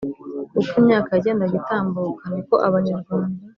uko imyaka yagendaga itambuka ni ko abanyarwanda